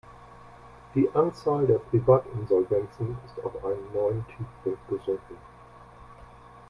Die Anzahl der Privatinsolvenzen ist auf einen neuen Tiefstand gesunken.